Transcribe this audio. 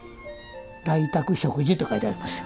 「来宅食事」と書いてありますよ。